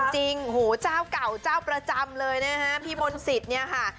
จริงหูเจ้าเก่าเจ้าประจำเลยนะฮะพี่มนศิษย์เนี่ยค่ะ